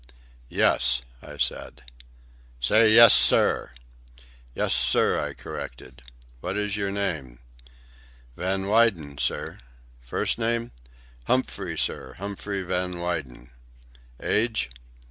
"Yes," I said. "Say 'yes, sir.'" "Yes, sir," I corrected. "What is your name?" "Van Weyden, sir." "First name?" "Humphrey, sir; Humphrey Van Weyden." "Age?"